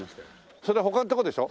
それ他のとこでしょ？